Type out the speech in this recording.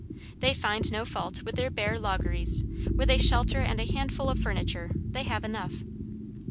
They find no fault with their bare loggeries, with a shelter and a handful of furniture, they have enough."